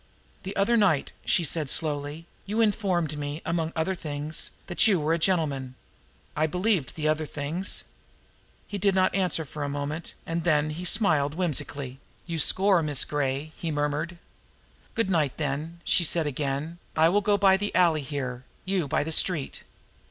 "The other night," she said slowly, "you informed me, among other things, that you were a gentleman. I believed the other things." He did not answer for a moment and then he smiled whimsically. "You score, Miss Gray," he murmured. "Good night, then!" she said again. "I will go by the alley here; you by the street."